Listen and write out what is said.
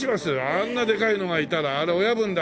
あんなでかいのがいたらあれ親分だな。